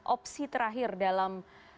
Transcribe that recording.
opsi terakhir dalam